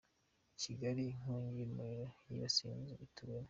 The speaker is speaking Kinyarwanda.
Kigali Inkongi y’umuriro yibasiye inzu ituwemo